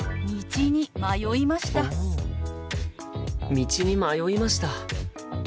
道に迷いました。